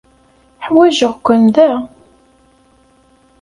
Ḥwajeɣ-ken da.